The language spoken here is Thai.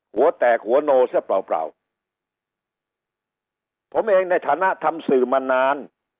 หัวแตกหัวโนซะเปล่าเปล่าผมเองในฐานะทำสื่อมานาน